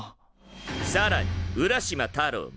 さらに「浦島太郎」も。